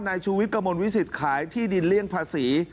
ชูวิทย์กระมวลวิสิตขายที่ดินเลี่ยงภาษี